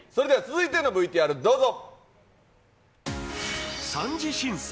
続いてのＶＴＲどうぞ。